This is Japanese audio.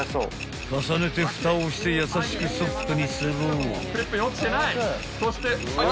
［重ねてふたをして優しくソフトにスロー］